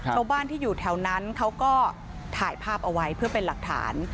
ชาวบ้านที่อยู่แถวนั้นเขาก็ถ่ายภาพเอาไว้เพื่อเป็นหลักฐาน